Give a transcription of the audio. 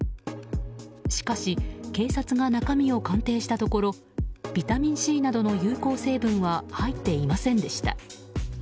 しかし、警察が中身を鑑定したところビタミンＣなどの有効成分は入っていませんでした。